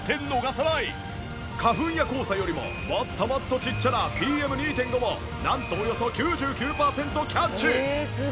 花粉や黄砂よりももっともっとちっちゃなＰＭ２．５もなんとおよそ９９パーセントキャッチ。